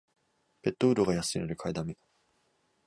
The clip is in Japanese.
ペットフードが安いので買いだめ